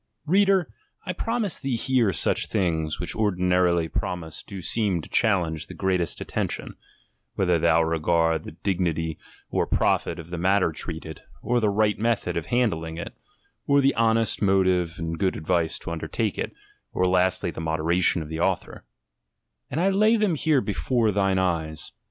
Reader, I promise thee here such things, which ordinarily promised do seem to challenge the greatest attention, (whether thou regard the dig nity or profit of the matter treated, or the right method of handling it, or the honest motive and good advice to undertake it, or lastly the modera tion of the author,) and I lay them here before thine eyes.